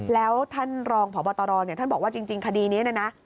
แล้วท่านรองพบตรท่านบอกว่าจริงคดีนี้นะนะ